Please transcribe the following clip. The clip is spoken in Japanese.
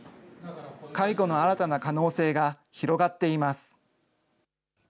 介護の新たな可能性が広がっています。